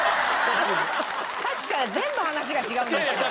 さっきから全部話が違うんですけど。